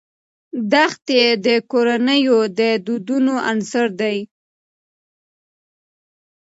دښتې د کورنیو د دودونو عنصر دی.